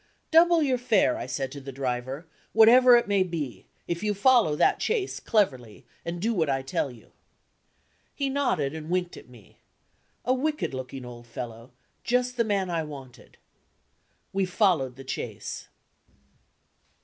"Double your fare," I said to the driver, "whatever it may be, if you follow that chaise cleverly, and do what I tell you." He nodded and winked at me. A wicked looking old fellow; just the man I wanted. We followed the chaise.